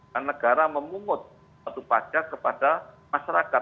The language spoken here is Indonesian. karena negara memungut satu pajak kepada masyarakat